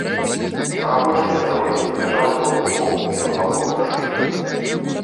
На абочыне дарогі ляжаў здохлы воўк са званком на шыі.